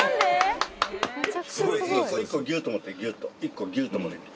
１個ギュっと持ってギュっと１個ギュっと持って。